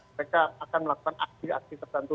mereka akan melakukan aksi aksi tertentu